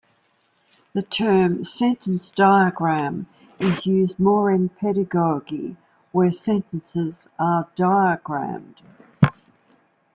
The term "sentence diagram" is used more in pedagogy, where sentences are "diagrammed".